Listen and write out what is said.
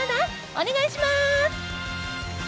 お願いします。